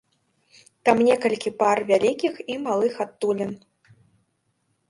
Там некалькі пар вялікіх і малых адтулін.